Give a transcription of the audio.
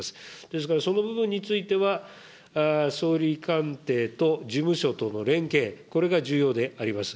ですから、その部分については、総理官邸と事務所との連携、これが重要であります。